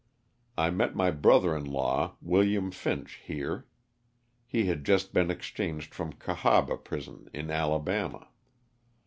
I met my brother in law, Wm. Finch, here. He had just been ex changed from Oahaba prison in Alabama.